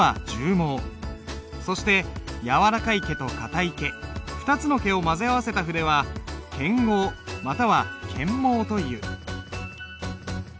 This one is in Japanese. そして柔らかい毛と硬い毛２つの毛を混ぜ合わせた筆は兼毫または兼毛という。